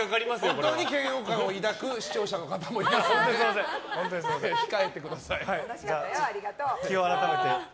本当に嫌悪感を抱く視聴者の方もいますので日を改めて。